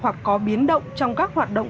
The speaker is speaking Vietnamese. hoặc có biến động trong các hoạt động